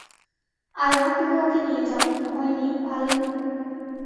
আয়া, তুমি ওঁকে নিয়ে যাও, ভয় নেই, ভালোই হবে।